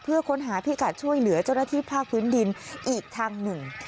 เพื่อค้นหาพิกัดช่วยเหลือเจ้าหน้าที่ภาคพื้นดินอีกทางหนึ่ง